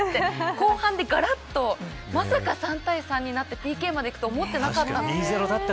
後半でがらっとまさか３対３になってＰＫまでいくと思ってなかったんで。